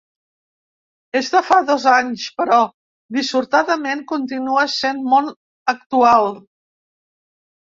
És de fa dos anys, però, dissortadament, continua essent molt actual.